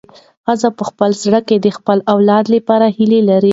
ښځه په خپل زړه کې د خپل اولاد لپاره هیلې لري.